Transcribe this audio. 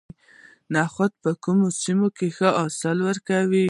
نخود په کومو سیمو کې ښه حاصل ورکوي؟